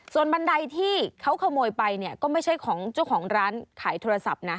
ส่วนบันไดที่เขาขโมยไปเนี่ยก็ไม่ใช่ของเจ้าของร้านขายโทรศัพท์นะ